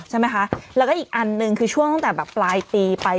ใช่ไหมคะแล้วก็อีกอันหนึ่งคือช่วงตั้งแต่แบบปลายปีไป